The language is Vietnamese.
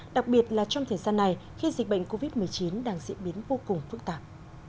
đặc biệt là trong thời gian này khi dịch bệnh covid một mươi chín đang diễn biến vô cùng phức tạp